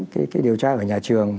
cái điều tra ở nhà trường